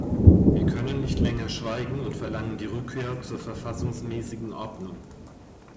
Wir können nicht länger schweigen und verlangen die Rückkehr zur verfassungsmäßigen Ordnung.